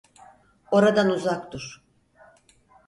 Oradan uzak dur.